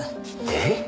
えっ？